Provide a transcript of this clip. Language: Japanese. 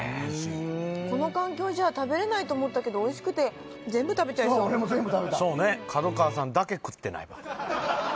うんこの環境じゃ食べれないと思ったけどおいしくて全部食べちゃいそうそう俺も全部食べたそうね